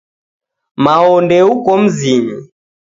Mao ndeuko mzinyi.